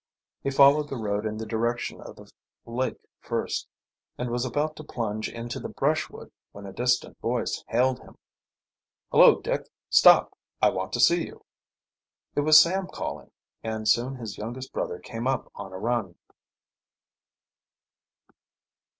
He followed the road in the direction of the lake at first, and was about to plunge into the brushwood when a distant voice hailed him. "Hullo, Dick, stop! I want to see you." It was Sam calling, and soon his youngest brother came up on a run.